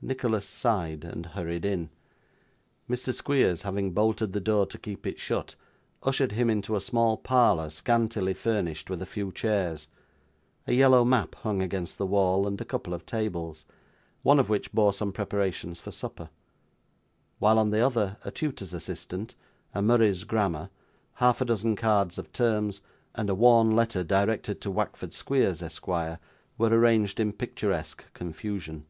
Nicholas sighed, and hurried in. Mr. Squeers, having bolted the door to keep it shut, ushered him into a small parlour scantily furnished with a few chairs, a yellow map hung against the wall, and a couple of tables; one of which bore some preparations for supper; while, on the other, a tutor's assistant, a Murray's grammar, half a dozen cards of terms, and a worn letter directed to Wackford Squeers, Esquire, were arranged in picturesque confusion.